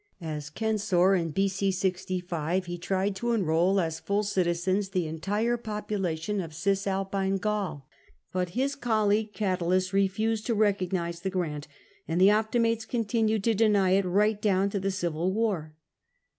As censor in b.o. 65 he tried to enrol as full citizens the entire population of Cisalpine Gaul, but his colleague Gatulus refused to recognise the grant, and the Optimates continued to deny it right down to the Civil War.